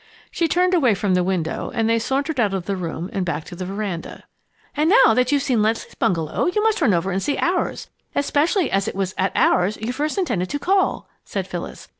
She turned away from the window and they sauntered out of the room and back to the veranda. "And now that you've seen Leslie's bungalow, you must run over and see ours, especially as it was at ours you at first intended to call!" said Phyllis.